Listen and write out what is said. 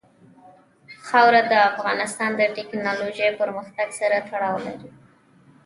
خاوره د افغانستان د تکنالوژۍ پرمختګ سره تړاو لري.